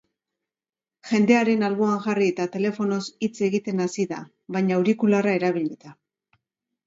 Jendearen alboan jarri eta telefonoz hitz egiten hasi da, baina aurikularra erabilita.